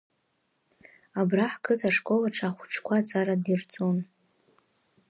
Абра ҳқыҭа школ аҿы ахәыҷқәа аҵара дирҵон.